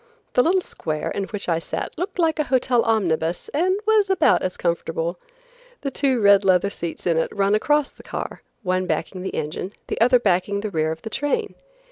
The little square in which I sat looked like a hotel omnibus and was about as comfortable. The two red leather seats in it run across the car, one backing the engine, the other backing the rear of the train.